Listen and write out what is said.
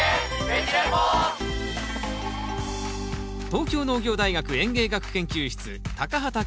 東京農業大学園芸学研究室畑健教授